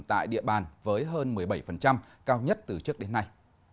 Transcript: tại địa bàn với hơn một mươi bảy cao nhất từ trước đến nay